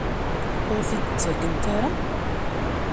Ur aɣ-t-id-ttakent ara?